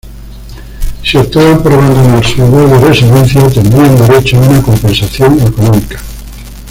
Si optaban por abandonar su lugar de residencia, tendrían derecho a una compensación económica.